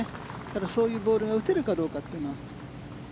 ただ、そういうボールが打てるかどうかというのは。